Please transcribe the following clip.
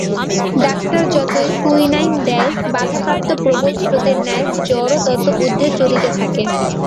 Doctor যতই quinine দেয়, বাধাপ্রাপ্ত প্রবল স্রোতের ন্যায় জ্বরও তত উর্ধ্বে চড়িতে থাকে।